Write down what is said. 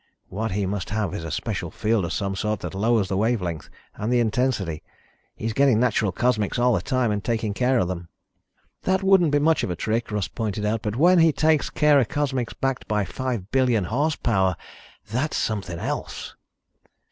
"What he must have is a special field of some sort that lowers the wave length and the intensity. He's getting natural cosmics all the time and taking care of them." "That wouldn't be much of a trick," Russ pointed out. "But when he takes care of cosmics backed by five billion horsepower ... that's something else!"